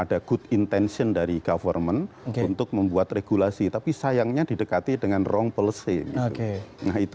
ada good intention dari government untuk membuat regulasi tapi sayangnya didekati dengan rong policy nah itu